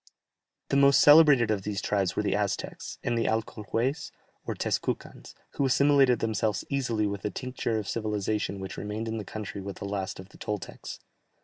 The most celebrated of these tribes were the Aztecs, and the Alcolhuès or Tezcucans, who assimilated themselves easily with the tincture of civilization which remained in the country with the last of the Toltecs.